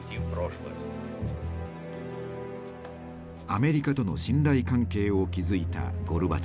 アメリカとの信頼関係を築いたゴルバチョフ。